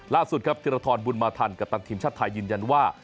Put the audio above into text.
ล่าสุดครับธิรทรบุญมาทันกัปตันทีมชาติไทยยืนยันว่า